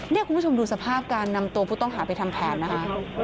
นี่คุณผู้ชมดูสภาพการนำตัวผู้ต้องหาไปทำแผนนะคะ